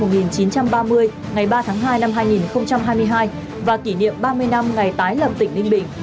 ngày ba tháng hai năm hai nghìn hai mươi hai và kỷ niệm ba mươi năm ngày tái lập tỉnh ninh bình